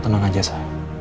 lo tenang aja sa